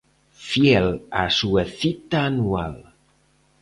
Fiel á súa cita anual.